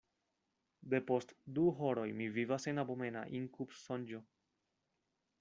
Depost du horoj mi vivas en abomena inkubsonĝo.